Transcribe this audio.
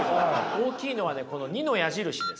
大きいのはねこの２の矢印です。